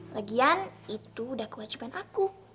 lagian itu udah kewajiban aku